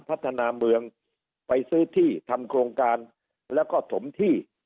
พัฒนาเมืองไปซื้อที่ทำโครงการแล้วก็ถมที่